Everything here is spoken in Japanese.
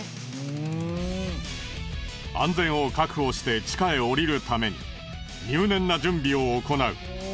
安全を確保して地下へ降りるために入念な準備を行う。